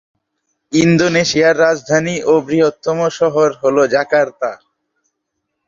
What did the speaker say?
ইন্দোনেশিয়ার রাজধানী ও বৃহত্তম শহর হল জাকার্তা।